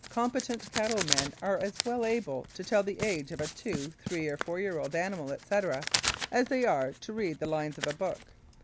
Competent cattlemen are as well able to tell the age of a two, three or four year old animal, etc., as they are to read the lines of a book.